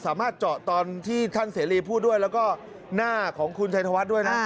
สามารถเจาะตอนที่ท่านเสรีพูดด้วยแล้วก็หน้าของคุณชัยธวัฒน์ด้วยนะ